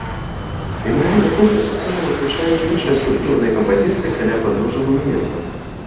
Мемарыяльны комплекс у цэлым уключае і іншыя скульптурныя кампазіцыі каля падножжа манумента.